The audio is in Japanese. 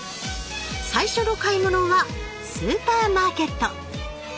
最初の買い物はスーパーマーケット。